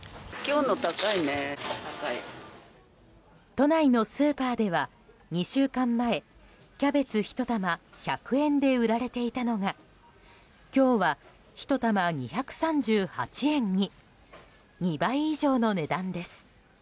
都内のスーパーでは２週間前キャベツ１玉１００円で売られていたのが今日は、１玉２３８円に２倍以上の値段です。